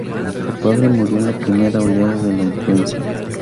Su padre murió en la primera oleada de la influenza.